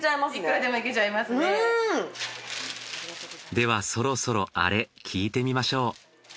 ではそろそろアレ聞いてみましょう。